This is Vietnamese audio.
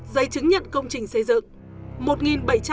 giấy chứng nhận công trình xây dựng